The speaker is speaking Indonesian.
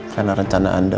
karena rencana anda